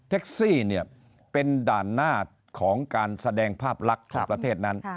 ซี่เนี่ยเป็นด่านหน้าของการแสดงภาพลักษณ์ทั่วประเทศนั้น